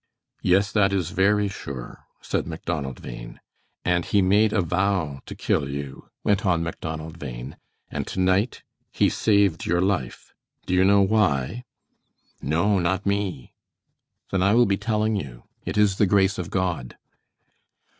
"Yes, that is very sure," said Macdonald Bhain. "And he made a vow to kill you," went on Macdonald Bhain, "and to night he saved your life. Do you know why?" "No, not me." "Then I will be telling you. It is the grace of God."